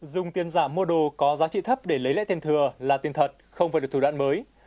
dùng tiền giảm mua đồ có giá trị thấp để lấy lại tiền thừa là tiền thật không phải là thủ đoạn mới